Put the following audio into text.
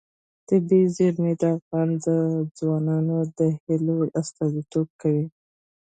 طبیعي زیرمې د افغان ځوانانو د هیلو استازیتوب کوي.